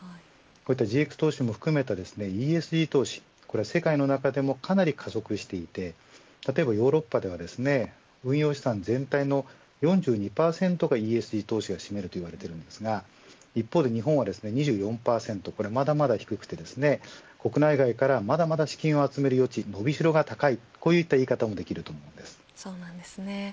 ＧＸ投資も含めたＥＳＧ投資は世界の中でもかなり加速していて例えばヨーロッパでは運用資産全体の４２％がＥＳＧ投資が占めるということですが一方で日本は２４％とまだまだ低く国内外からまだまだ資金を集める余地伸びしろが高いといった言い方もそうなんですね。